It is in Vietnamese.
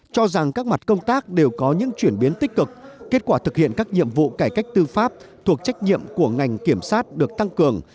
cho rằng các mặt công tác đều có những chuyển biến tích cực kết quả thực hiện các nhiệm vụ cải cách tư pháp thuộc trách nhiệm của ngành kiểm sát được tăng cường